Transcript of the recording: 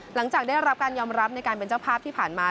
หลังจากได้รับการยอมรับในการเป็นเจ้าภาพที่ผ่านมา